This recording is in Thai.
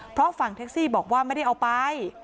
เพราะฝั่งแท็กซี่บอกว่าไม่ได้เอาไป